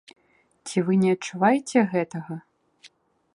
Ці вы не адчуваеце гэтага?